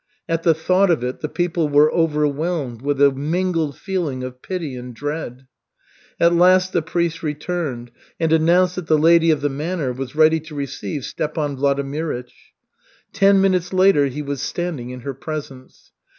At the thought of it the people were overwhelmed with a mingled feeling of pity and dread. At last the priest returned and announced that the lady of the manor was ready to receive Stepan Vladimirych. Ten minutes later he was standing in her presence.